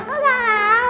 aku gak mau